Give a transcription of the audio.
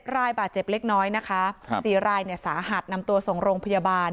รายบาดเจ็บเล็กน้อยนะคะ๔รายสาหัสนำตัวส่งโรงพยาบาล